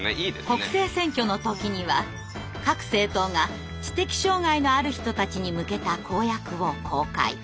国政選挙の時には各政党が知的障害のある人たちに向けた公約を公開。